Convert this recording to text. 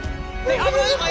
危ない！